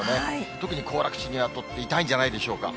特に行楽地にとっては痛いんじゃないでしょうか。